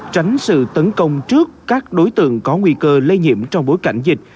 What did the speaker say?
tránh sự tấn công trước các đối tượng có nguy cơ lây nhiễm trong bối cảnh dịch